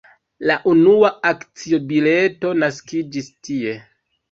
La unua akcio-bileto naskiĝis tie.